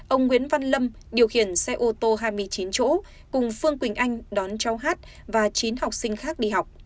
ông nguyễn văn lâm điều khiển xe ô tô hai mươi chín chỗ cùng phương quỳnh anh đón cháu hát và chín học sinh khác đi học